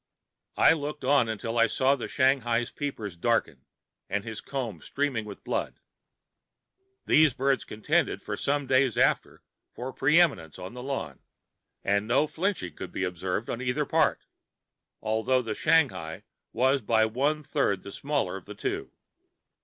I looked on until I saw the Shanghai's peepers darkened, and his comb streaming with blood. These birds contended for some days after for preÎminence on the lawn, and no flinching could be observed on either part, although the Shanghai was by one third the smaller of the two.